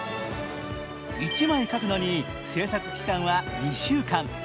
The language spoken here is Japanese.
１枚描くのに製作期間は２週間。